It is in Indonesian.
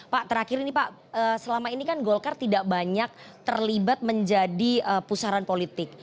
pak terakhir ini pak selama ini kan golkar tidak banyak terlibat menjadi pusaran politik